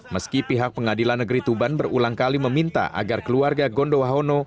meski pihak pengadilan negeri tuban berulang kali meminta agar keluarga gondowa hono